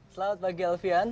selamat pagi alfian